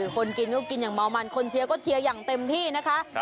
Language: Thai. คนกินก็กินอย่างเมามันคนเชียร์ก็เชียร์อย่างเต็มที่นะคะ